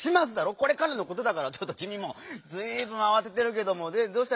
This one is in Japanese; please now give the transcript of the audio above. これからのことだからちょっときみもずいぶんあわててるけどもでどうしたらいいの？